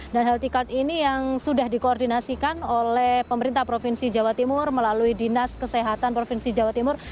dan healthy card ini yang sudah dikoordinasikan oleh pemerintah provinsi jawa timur melalui dinas kesehatan provinsi jawa timur